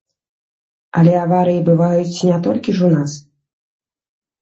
Але аварыі бываюць не толькі ж у нас.